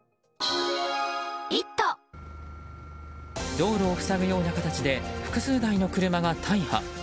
道路を塞ぐような形で複数台の車が大破。